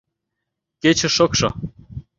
Кече шокшо...